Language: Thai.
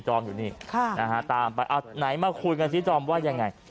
อยู่นี่ตามไปเอาไหนมาคุยกันซิจอมว่ายังไง